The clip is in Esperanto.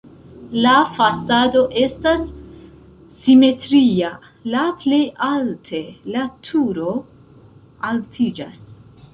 La fasado estas simetria, la plej alte la turo altiĝas.